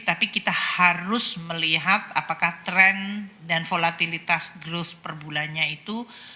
tapi kita harus melihat apakah trend dan volatilitas growth perbulannya itu